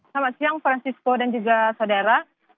selamat siang francisco dan juga saudara